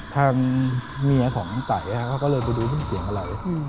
ทางเมียของไตเขาก็เลยไปดูซึ่งเสียงอะไร